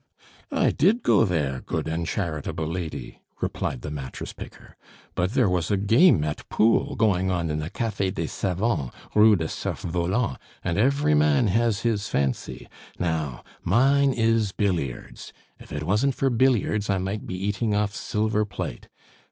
"I did go there, good and charitable lady!" replied the mattress picker. "But there was a game at pool going on at the Cafe des Savants, Rue du Cerf Volant, and every man has his fancy. Now, mine is billiards. If it wasn't for billiards, I might be eating off silver plate.